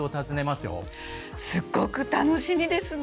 すごく楽しみですね。